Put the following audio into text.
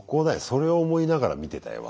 それを思いながら見てたよ